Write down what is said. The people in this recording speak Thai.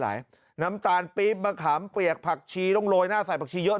น้ำตาลปี๊บมะขามเปียกผักชีต้องโรยหน้าใส่ผักชีเยอะ